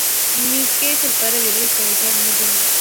Mike es el padre biológico de Zach Young.